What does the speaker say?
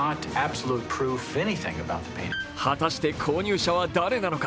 果たして、購入者は誰なのか。